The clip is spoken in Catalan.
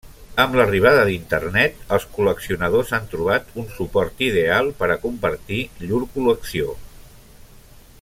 Amb l'arribada d'internet, els col·leccionadors han trobat un suport ideal per a compartir llur col·lecció.